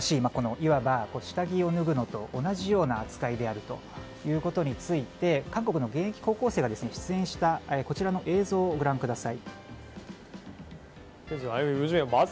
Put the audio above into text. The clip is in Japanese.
いわば下着を脱ぐのと同じような扱いであるということについて韓国の現役高校生が出演した映像をご覧ください。